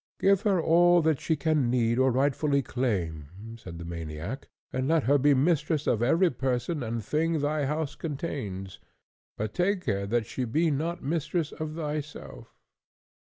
"Give her all that she can need or rightfully claim," said the maniac, "and let her be mistress of every person and thing thy house contains, but take care that she be not mistress of thyself."